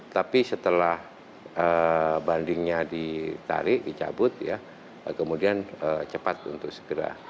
tapi setelah bandingnya ditarik dicabut ya kemudian cepat untuk segera